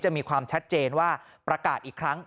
มีความชัดเจนว่าประกาศอีกครั้ง